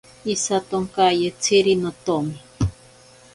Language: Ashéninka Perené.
Isatonkayetziri notomi.